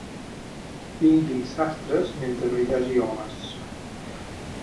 Vinguin sastres mentre no hi hagi homes.